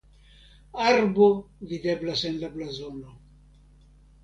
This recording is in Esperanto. Arbo videblas en la blazono.